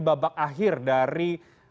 babak akhir dari